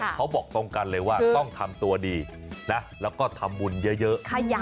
เขาบอกตรงกันเลยว่าต้องทำตัวดีนะแล้วก็ทำบุญเยอะ